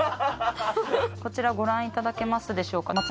こちらご覧いただけますでしょうか？